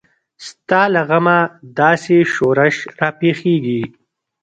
ستا له غمه داسې شورش راپېښیږي.